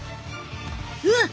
うわっ！